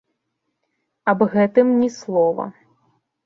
Аб гэтым ні слова.